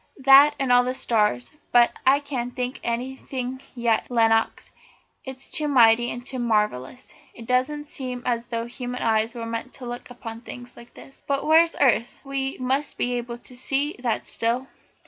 That and all the stars but I can't think anything yet, Lenox, it's all too mighty and too marvellous. It doesn't seem as though human eyes were meant to look upon things like this. But where's the earth? We must be able to see that still."